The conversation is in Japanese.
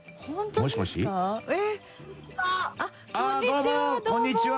うわ」こんにちは。